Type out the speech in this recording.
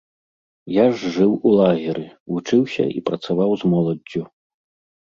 Я ж жыў у лагеры, вучыўся і працаваў з моладдзю.